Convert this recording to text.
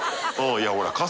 いやほら弔